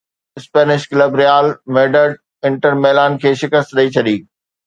Spanish club Real Madrid Inter Milan کي شڪست ڏئي ڇڏي